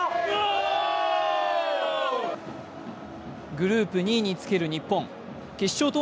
グループ２位につける日本。